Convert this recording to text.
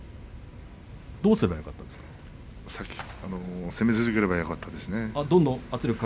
どうしればよかったですか。